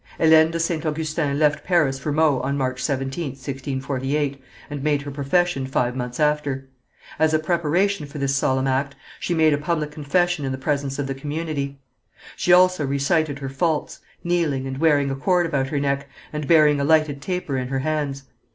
Hélène de St. Augustin left Paris for Meaux on March 17th, 1648, and made her profession five months after. As a preparation for this solemn act, she made a public confession in the presence of the community. She also recited her faults, kneeling, and wearing a cord about her neck, and bearing a lighted taper in her hands.